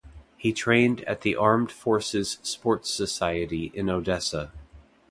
He trained at the Armed Forces sports society in Odessa.